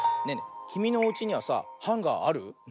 ねえねえきみのおうちにはさハンガーある？